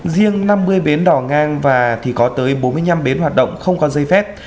riêng năm mươi bến đỏ ngang và thì có tới bốn mươi năm bến hoạt động không có dây phép